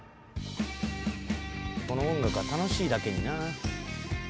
［この音楽が楽しいだけにな］